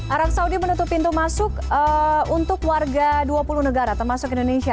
arab saudi menutup pintu masuk untuk warga dua puluh negara termasuk indonesia